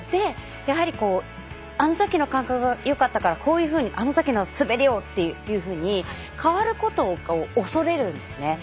やはりあのときの感覚がよかったからこういうふうにあのときの滑りをというふうに変わることを恐れるんですね。